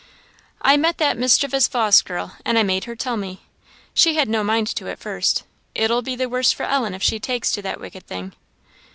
"I met that mischievous Vawse girl, and I made her tell me; she had no mind to at first. It'll be the worse for Ellen if she takes to that wicked thing."